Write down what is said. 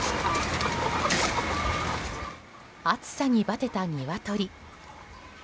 暑さにバテたニワトリ。